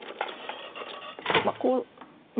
まあこう。